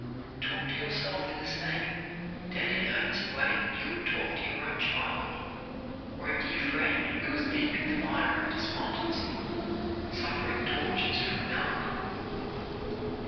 Talk to yourself in the same dead in earnest way that you would talk to your own child or a dear friend who was deep in the mire of despondency, suffering tortures from melancholy.